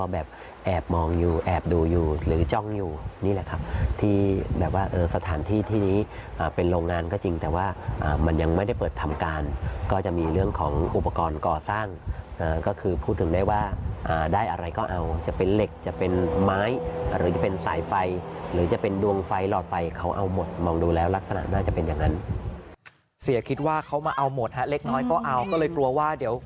แบบแอบมองอยู่แอบดูอยู่หรือจ้องอยู่นี่แหละครับที่แบบว่าสถานที่ที่นี้เป็นโรงงานก็จริงแต่ว่ามันยังไม่ได้เปิดทำการก็จะมีเรื่องของอุปกรณ์ก่อสร้างก็คือพูดถึงได้ว่าได้อะไรก็เอาจะเป็นเหล็กจะเป็นไม้หรือจะเป็นสายไฟหรือจะเป็นดวงไฟหลอดไฟเขาเอาหมดมองดูแล้วลักษณะน่าจะเป็นอย่างนั้นเสียคิดว่าเขามาเอาหมดฮะเล็กน้อยก็เอาก็เลยกลัวว่าเดี๋ยว